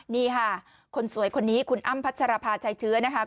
นี่ค่ะคนสวยคนนี้คุณอ้ำพัชรภาชัยเชื้อนะคะ